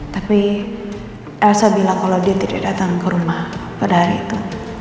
tapi elsa bilang kalau dia tidak datang ke rumah pada hari itu